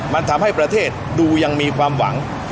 มันทำให้ประเทศดูยังมีความหวัง